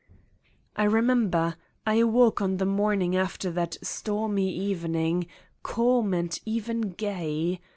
I remember : I awoke on the morning after that stormy evening, calm and even gay.